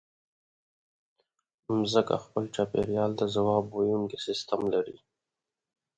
مځکه خپل چاپېریال ته ځواب ویونکی سیستم لري.